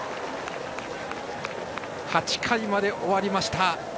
８回まで終わりました。